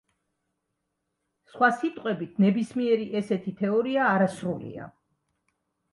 სხვა სიტყვებით ნებისმიერი ესეთი თეორია არასრულია.